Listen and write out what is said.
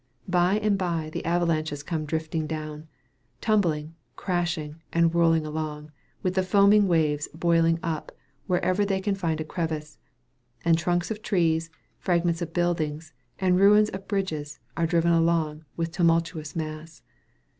By and bye, the avalanches come drifting down, tumbling, crashing, and whirling along, with the foaming waves boiling up wherever they can find a crevice; and trunks of trees, fragments of buildings, and ruins of bridges, are driven along with the tumultuous mass.